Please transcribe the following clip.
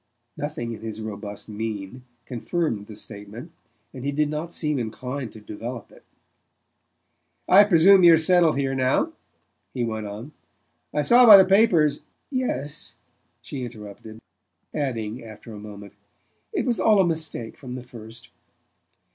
Nothing in his robust mien confirmed the statement, and he did not seem inclined to develop it. "I presume you're settled here now?" he went on. "I saw by the papers " "Yes," she interrupted; adding, after a moment: "It was all a mistake from the first."